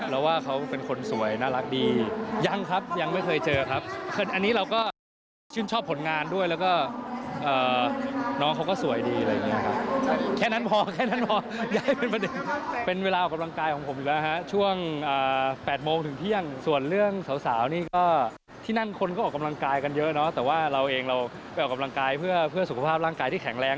เราไปออกกำลังกายเพื่อสุขภาพร่างกายที่แข็งแรง